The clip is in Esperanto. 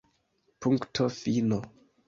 Punkto fino!